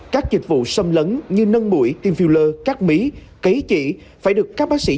các dịch vụ xâm lấn như nâng mũi team filler các mí cấy chỉ phải được các bác sĩ